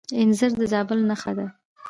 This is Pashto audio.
انځر د زابل نښه ده.